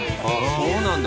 そうなんだ。